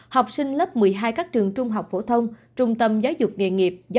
học sinh lớp một mươi hai các trường trung học phổ thông trung tâm giáo dục nghề nghiệp